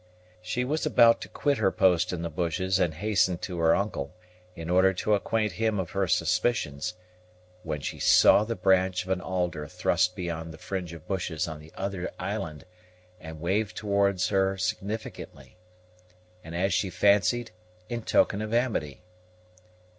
She was about to quit her post in the bushes and hasten to her uncle, in order to acquaint him of her suspicions, when she saw the branch of an alder thrust beyond the fringe of bushes on the other island, and waved towards her significantly, and as she fancied in token of amity.